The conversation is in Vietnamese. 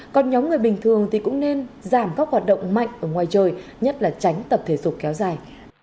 còn nhóm người bình thường thì cũng nên giảm các hoạt động mạnh ở ngoài trời nhất là tránh tập thể dục kéo dài